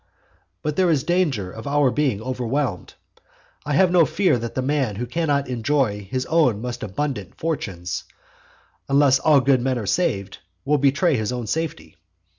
VIII. But there is danger of our being overwhelmed. I have no fear that the man who cannot enjoy his own most abundant fortunes, unless all the good men are saved, will betray his own safety.